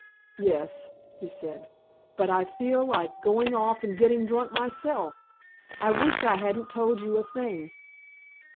"Yes," he said. "But I feel like going off and getting drunk, myself. I wish I hadn't told you a thing."